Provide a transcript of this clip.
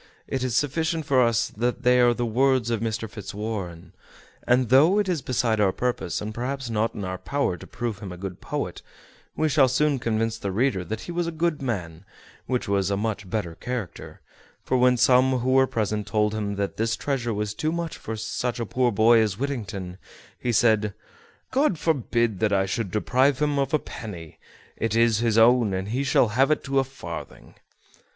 It is sufficient for us that they are the words of Mr. Fitzwarren; and though it is beside our purpose, and perhaps not in our power to prove him a good poet, we shall soon convince the reader that he was a good man, which was a much better character; for when some who were present told him that this treasure was too much for such a poor boy as Whittington, he said: "God forbid that I should deprive him of a penny; it is his own, and he shall have it to a farthing."